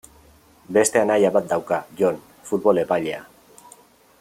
Beste anaia bat dauka, Jon, futbol epailea.